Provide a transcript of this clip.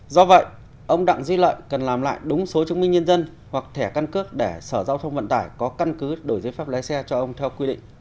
do vậy ông đặng duy lợi cần làm lại đúng số chứng minh nhân dân hoặc thẻ căn cước để sở giao thông vận tải có căn cứ đổi giấy phép lái xe cho ông theo quy định